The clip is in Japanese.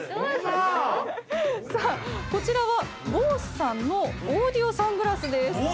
さあこちらはＢＯＳＥさんのオーディオサングラスです。